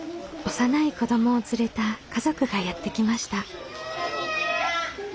幼い子どもを連れた家族がやって来ました。